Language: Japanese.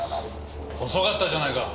遅かったじゃないか。